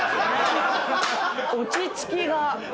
落ち着きが。